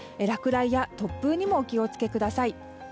落雷や突風にもお気を付けください。